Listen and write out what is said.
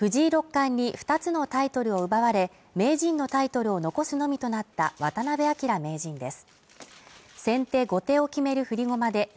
対戦相手は藤井六冠に二つのタイトルを奪われ名人のタイトルを残すのみとなった渡辺明名人です。